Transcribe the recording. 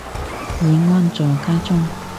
已安坐家中